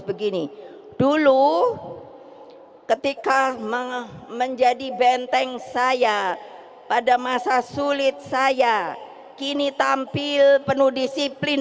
begini dulu ketika menjadi benteng saya pada masa sulit saya kini tampil penuh disiplin